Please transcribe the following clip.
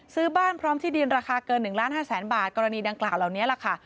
ซื้อบ้านพร้อมที่ดินราคาเกิน๑ล้าน๕แสนบาทกรณีดังกล่าวเหล่านี้แหละค่ะ